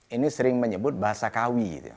ini sering menyebut bahasa kawi gitu ya